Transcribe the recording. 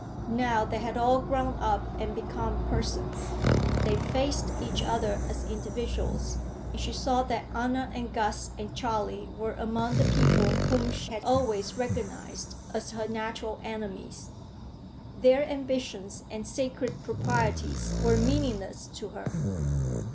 Now they had all grown up and become persons. They faced each other as individuals, and she saw that Anna and Gus and Charley were among the people whom she had always recognized as her natural enemies. Their ambitions and sacred proprieties were meaningless to her.